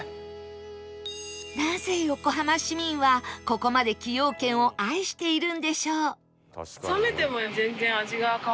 なぜ横浜市民はここまで崎陽軒を愛しているんでしょう？